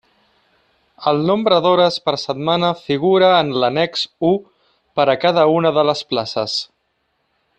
El nombre d'hores per setmana figura en l'annex u per a cada una de les places.